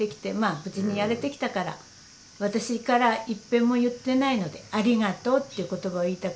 無事にやれてきたから私からいっぺんも言ってないのでありがとうっていう言葉を言いたくて応募したの。